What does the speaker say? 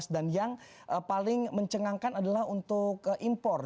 dan yang paling mencengangkan adalah untuk impor